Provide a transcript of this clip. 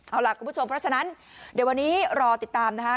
เอาล่ะคุณผู้ชมเพราะฉะนั้นเดี๋ยววันนี้รอติดตามนะคะ